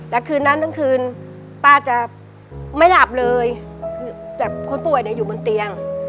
แล้วคืนนั้นทั้งคืนป้าจะไม่หลับเลยแต่คนป่วยเนี่ยอยู่บนเตียง